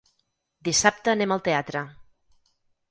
Dissabte anem al teatre.